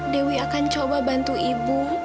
dewi akan coba bantu ibu